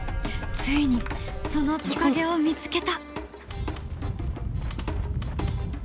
ついにそのトカゲを見つけた！